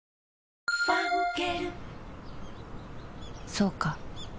そうか